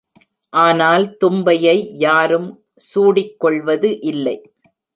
ஆனால் தும்பையை யாரும் சூடிக் கொள்வது இல்லை.